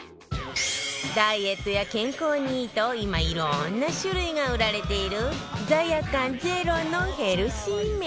ダイエットや健康にいいと今いろんな種類が売られている罪悪感ゼロのヘルシー麺